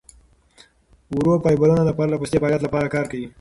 ورو فایبرونه د پرلهپسې فعالیت لپاره کار کوي.